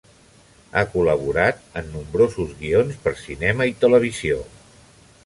Ha col·laborat en nombrosos guions per cinema i televisió.